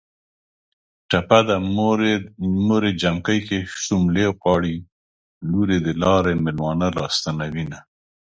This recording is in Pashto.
ټپه ده.: موریې جمکی کې شوملې غواړي ــــ لوریې د لارې مېلمانه را ستنوینه